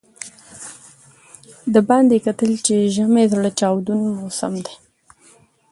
د باندې یې کتل چې ژمی زاره چاودون موسم دی.